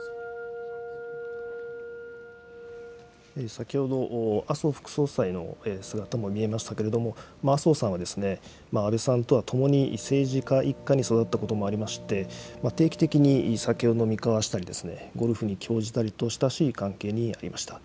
先ほど、麻生副総裁の姿も見えましたけれども、麻生さんは安倍さんとはともに政治家一家に育ったこともありまして、定期的に酒を飲み交わしたりですね、ゴルフに興じたりと、親しい関係にありました。